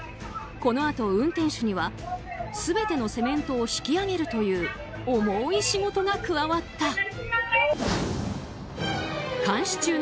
このあと運転手には全てのセメントを引き上げるという重い仕事が加わった。